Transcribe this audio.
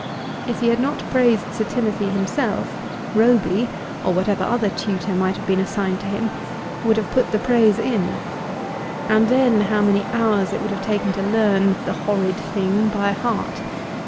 If he had not praised Sir Timothy himself, Roby, or whatever other tutor might have been assigned to him, would have put the praise in. And then how many hours it would have taken to learn "the horrid thing" by heart.